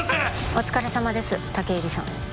お疲れさまです武入さん